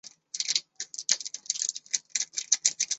毛脉翅果菊是菊科翅果菊属的植物。